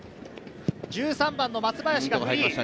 １３番の松林がフリー。